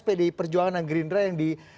pdi perjuangan dan gerindra yang di